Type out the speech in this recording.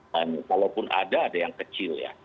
dan kalaupun ada ada yang kecil ya